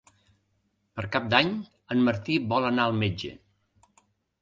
Per Cap d'Any en Martí vol anar al metge.